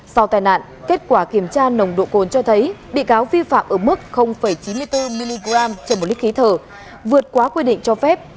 sau tai nạn kết quả kiểm tra nồng độ cồn cho thấy bị cáo vi phạm ở mức chín mươi bốn mg trên một lít khí thở vượt quá quy định cho phép